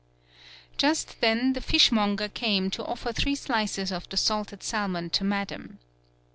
Just then, the fishermonger came to offer three slices of the salted salmon to madam.